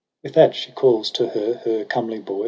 14 With that she calls to her her comely boy.